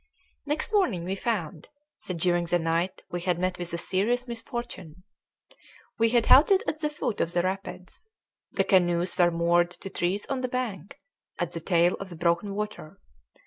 Next morning we found that during the night we had met with a serious misfortune. We had halted at the foot of the rapids. The canoes were moored to trees on the bank, at the tail of the broken water.